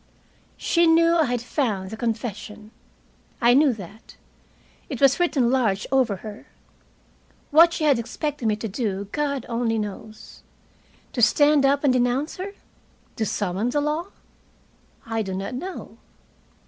She knew I had found the confession. I knew that. It was written large over her. What she had expected me to do God only knows. To stand up and denounce her? To summon the law? I do not know.